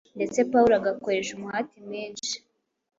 ndetse Pawulo agakoresha umuhati mwinshi